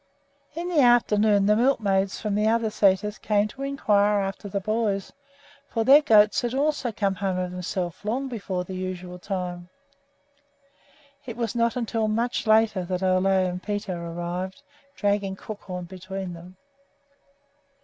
In the afternoon the milkmaids from the other sæters came to inquire after the boys, for their goats had also come home of themselves long before the usual time. It was not until much later that Ole and Peter arrived, dragging Crookhorn between them.